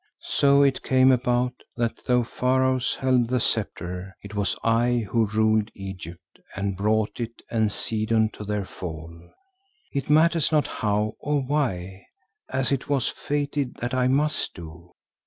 So it came about that though Pharaohs held the sceptre, it was I who ruled Egypt and brought it and Sidon to their fall, it matters not how or why, as it was fated that I must do.